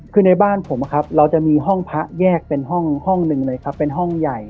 คือในบ้านผมเราจะมีห้องพระแยกเป็นห้องหนึ่งเลยครับเป็นห้องใหญ่